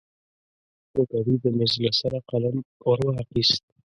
هوټلي د ميز له سره قلم ور واخيست.